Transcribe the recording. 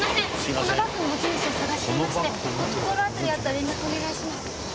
このバッグの持ち主を捜していまして心当たりあったら連絡お願いします。